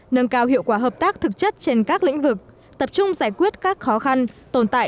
nâng cao hiệu quả hợp tác thực chất trên các lĩnh vực tập trung giải quyết các khó khăn tồn tại